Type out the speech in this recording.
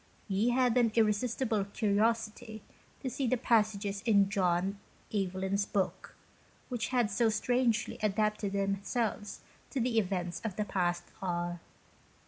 He had an irresistible curiosity to see the passages in John Evelyn's book which had so strangely adapted themselves to the events of the past hour.